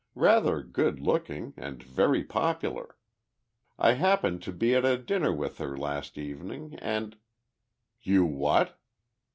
Rather good looking and very popular. I happened to be at a dinner with her last evening and " "You what?"